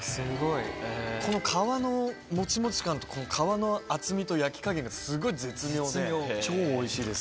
この皮のモチモチ感とこの皮の厚みと焼き加減がすごい絶妙で超おいしいです。